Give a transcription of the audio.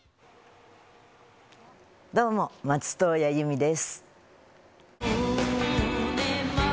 どうも、松任谷由実です。